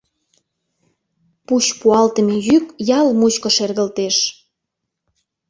Пуч пуалтыме йӱк ял мучко шергылтеш.